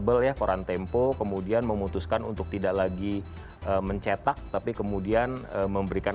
babel ya koran tempo kemudian memutuskan untuk tidak lagi mencetak tapi kemudian memberikan